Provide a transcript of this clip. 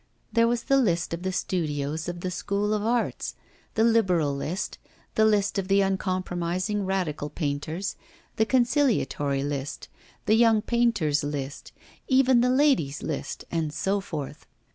There was the list of the studios of the School of Arts, the liberal list, the list of the uncompromising radical painters, the conciliatory list, the young painters' list, even the ladies' list, and so forth.